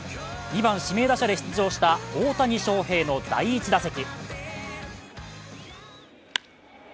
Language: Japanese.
２番・指名打者で出場した大谷翔平の第１打席。